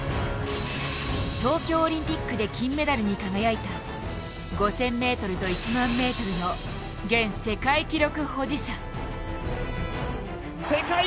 東京オリンピックで金メダルに輝いた５０００ｍと１００００ｍの現世界記録保持者。